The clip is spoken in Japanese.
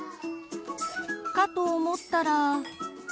かと思ったら。